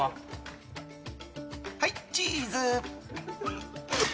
はい、チーズ！